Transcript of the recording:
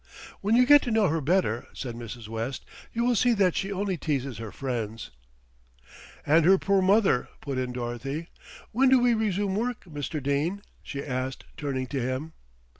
"When you get to know her better," said Mrs. West, "you will see that she only teases her friends." "And her poor mother," put in Dorothy. "When do we resume work, Mr. Dene?" she asked, turning to him.